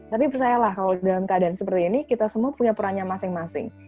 tapi percayalah kalau dalam keadaan seperti ini kita semua punya perannya masing masing